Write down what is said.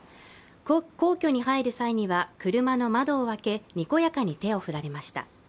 皇居に入る際には車の窓を開けにこやかに手を振られました。